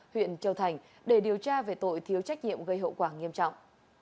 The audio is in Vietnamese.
huyện châu thành để điều tra về tội thiếu trách nhiệm gây hậu quả nghiêm trọng